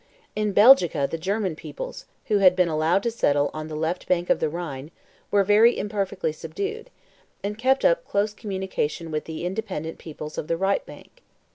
In Belgica the German peoplets, who had been allowed to settle on the left bank of the Rhine, were very imperfectly subdued, and kept up close communication with the independent peoplets of the right bank.